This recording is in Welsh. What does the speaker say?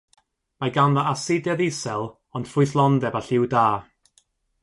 Mae ganddo asidedd isel ond ffrwythlondeb a lliw da.